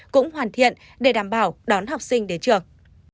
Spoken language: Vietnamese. cũng hoàn thiện để đảm bảo đón học sinh đến trường